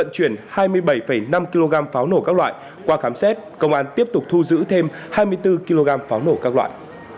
chuyển hai mươi bảy năm kg pháo nổ các loại qua khám xét công an tiếp tục thu giữ thêm hai mươi bốn kg pháo nổ các loại